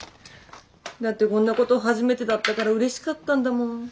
だってこんなこと初めてだったからうれしかったんだもん。